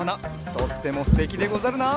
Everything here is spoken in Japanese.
とってもすてきでござるな。